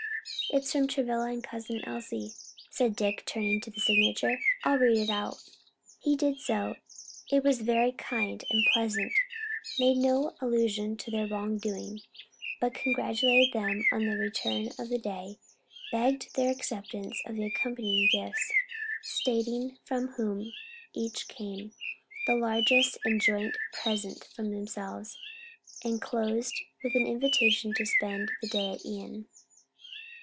"It's from Travilla and Cousin Elsie," said Dick turning to the signature. "I'll read it out." He did so. It was very kind and pleasant, made no allusion to their wrong doing, but congratulated them on the return of the day, begged their acceptance of the accompanying gifts, stating from whom each came, the largest a joint present from themselves; and closed with an invitation to spend the day at Ion.